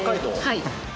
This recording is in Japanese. はい。